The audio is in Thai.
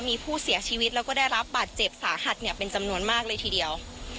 มีผู้เสียชีวิตแล้วก็ได้รับบาดเจ็บสาหัสเป็นจำนวนมากเลยทีเดียว